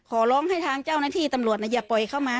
ขอร้องให้ทางเจ้าหน้าที่ตำรวจอย่าปล่อยเข้ามา